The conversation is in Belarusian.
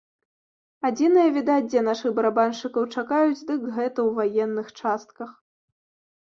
Адзінае, відаць, дзе нашых барабаншчыкаў чакаюць, дык гэта ў ваенных частках.